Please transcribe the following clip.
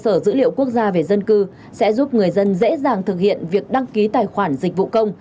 cơ sở dữ liệu quốc gia về dân cư sẽ giúp người dân dễ dàng thực hiện việc đăng ký tài khoản dịch vụ công